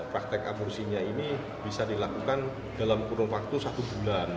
praktek aborsinya ini bisa dilakukan dalam kurun waktu satu bulan